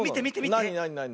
なになになになに？